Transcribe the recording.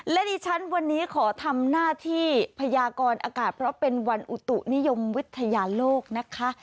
และดิฉันวันนี้ขอทำหน้าที่พยากรอากาศเพราะเป็นวันอุตุนิยมวิทยาโลกนะคะ